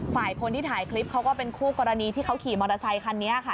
ฝ่ายคนที่ถ่ายคลิปเขาก็เป็นคู่กรณีที่เขาขี่มอเตอร์ไซคันนี้ค่ะ